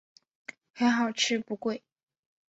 很好吃不贵